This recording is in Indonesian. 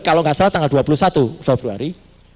kalau nggak salah tanggal dua puluh satu februari